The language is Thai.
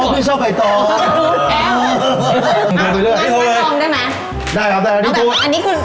ผู้ภายกับพี่หอยเนี่ย